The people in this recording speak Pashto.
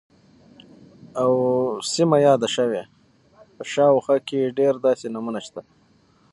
او سیمه یاده شوې، په شاوخوا کې یې ډیر داسې نومونه شته،